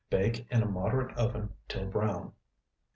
Bake in a moderate oven till brown.